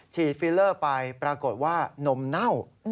ฟิลเลอร์ไปปรากฏว่านมเน่า